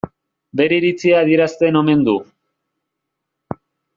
Bere iritzia adierazten omen du.